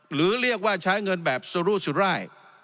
หรือเรียกว่าใช้เงินแบบสุรุสุราย